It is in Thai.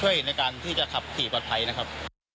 ช่วยในการที่จะขับขี่ปลอดภัยนะครับ